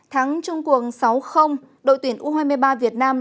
thắng trung cuồng sáu đội tuyển u hai mươi ba việt nam